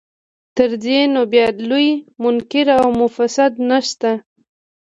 تر دې نو بیا لوی منکر او مفسد نشته.